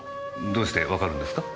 どうしてわかるんですか？